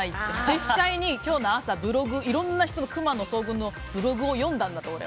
実際に、今日のブログクマの遭遇のブログを読んだんだと。